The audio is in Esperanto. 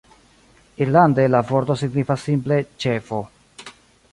Irlande la vorto signifas simple "ĉefo".